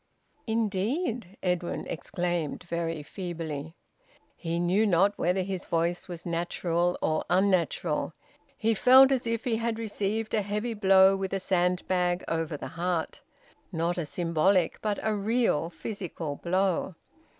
"Indeed!" Edwin exclaimed, very feebly. He knew not whether his voice was natural or unnatural. He felt as if he had received a heavy blow with a sandbag over the heart: not a symbolic, but a real physical blow.